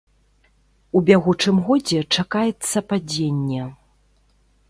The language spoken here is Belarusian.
У бягучым годзе чакаецца падзенне.